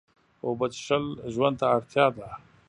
اوبه څښل ژوند ته اړتیا ده